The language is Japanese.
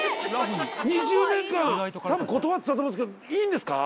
２０年間多分断ってたと思うんですけどいいんですか？